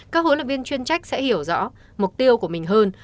các huấn luyện viên chuyên trách sẽ hiểu rõ mục tiêu của mình hơn